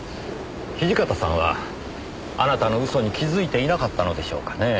土方さんはあなたの嘘に気づいていなかったのでしょうかねぇ？